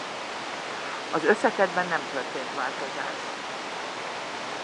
Az összetettben nem történt változás.